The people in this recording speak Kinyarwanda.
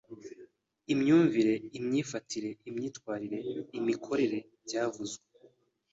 Imyumvire, imyifatire, imyitwarire n’imikorere byavuzwe